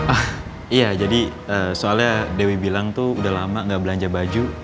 ah iya jadi soalnya dewi bilang tuh udah lama gak belanja baju